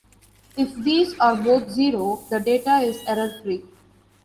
If these are both zero, the data is error free.